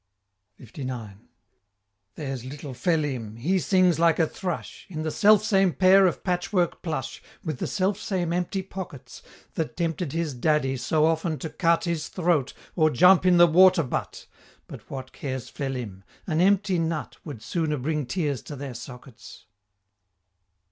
LIX. There's little Phelim, he sings like a thrush, In the selfsame pair of patchwork plush, With the selfsame empty pockets, That tempted his daddy so often to cut His throat, or jump in the water butt But what cares Phelim? an empty nut Would sooner bring tears to their sockets.